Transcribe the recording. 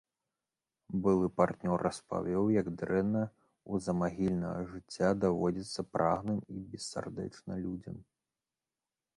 Былы партнёр распавёў, як дрэнна ў замагільнага жыцця даводзіцца прагным і бессардэчна людзям.